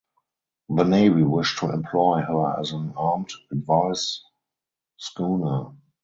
The Navy wished to employ her as an armed advice schooner.